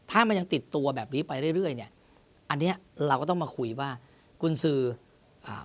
ถ้ามันยังติดตัวแบบนี้ไปเรื่อยเรื่อยเนี้ยอันเนี้ยเราก็ต้องมาคุยว่ากุญสืออ่า